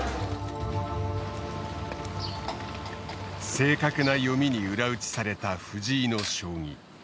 正確な読みに裏打ちされた藤井の将棋。